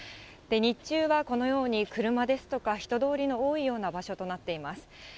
日中はこのように車ですとか、人通りの多いような場所となっています。